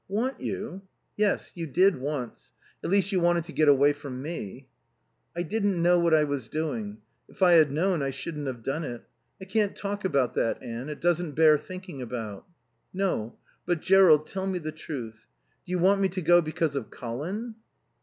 "Want you?" "Yes. You did once. At least, you wanted to get away from me." "I didn't know what I was doing. If I had known I shouldn't have done it. I can't talk about that, Anne. It doesn't bear thinking about." "No. But, Jerrold tell me the truth. Do you want me to go because of Colin?"